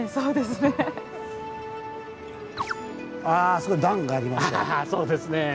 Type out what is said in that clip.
あっそうですね。